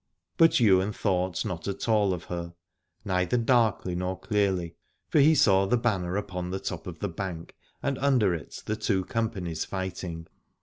But Ywain thought not at all of her, neither darkly nor clearly, for he saw the banner upon the top of the bank and under it the two companies fighting.